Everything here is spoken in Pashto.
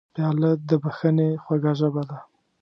پیاله د بښنې خوږه ژبه ده.